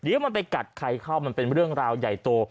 เดี๋ยวมันไปกัดใครเข้ามันเป็นเรื่องราวใหญ่โต